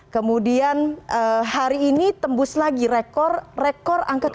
kemudian hari ini tembus lagi rekor rekor angka kembali